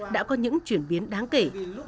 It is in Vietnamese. đã có những chuyển biến đáng kể